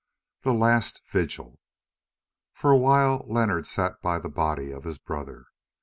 THE LAST VIGIL For a while Leonard sat by the body of his brother.